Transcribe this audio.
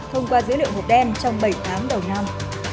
thông qua dữ liệu hộp đen trong bảy tháng đầu năm